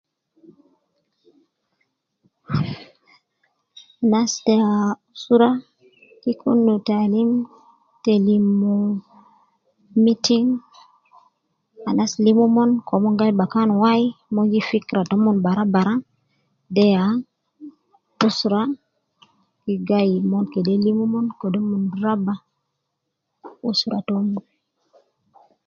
Anas ta usra gi kun me taalim te limu meeting ,anas lim omon ke omon gai bakan wai, mon jib fikra tomon bara bara, de ya ,usra bi gai ,mon kede lim omon ,kede omon raba usra tomon